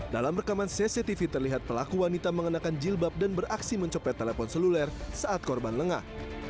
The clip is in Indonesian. dalam rekaman cctv terlihat pelaku wanita mengenakan jilbab dan beraksi mencopet telepon seluler saat korban lengah